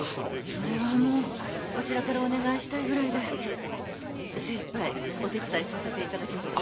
それはもうこちらからお願いしたいぐらいで精いっぱいお手伝いさせていただきます。